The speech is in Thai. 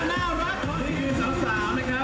เพื่อนรักเพื่อนสาวนะครับ